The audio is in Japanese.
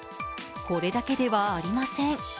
これだけではありません。